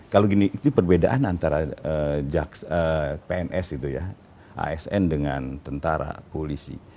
kalau gini itu perbedaan antara pns itu ya asn dengan tentara polisi